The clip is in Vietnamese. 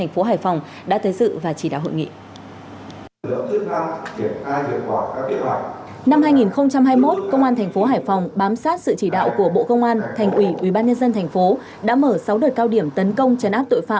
phù hợp trong giai đoạn hiện nay đồng thời cần thiết